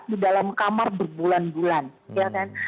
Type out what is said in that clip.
di dalam kamar berbulan bulan